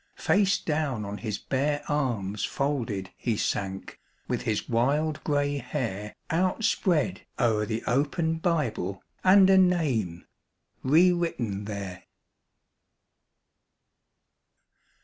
Face down on his bare arms folded he sank with his wild grey hair Outspread o'er the open Bible and a name re written there.